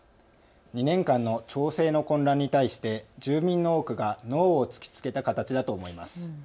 ２年間の町政の混乱に対して住民の多くがノーを突きつけた形だと思います。